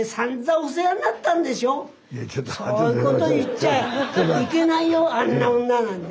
「そういうこと言っちゃいけないよあんな女なんて」。